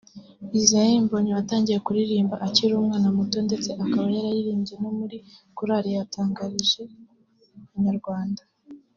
Israel Mbonyi watangiye kuririmba akiri umwana muto ndetse akaba yararirimbye no muri korali yatangarije Inyarwanda